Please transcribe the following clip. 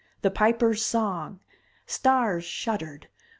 The Piper's song! Stars shuddered.